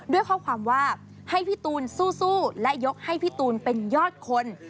ด้วยข้อความว่าให้พี่ตูนสู้และยกให้พี่ตูนเป็นยอดคน